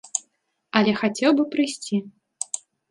Але хацеў бы прыйсці.